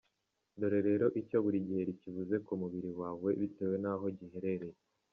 Dore rero icyo buri giheri kivuze ku mubiri wawe bitewe n’aho giherereye.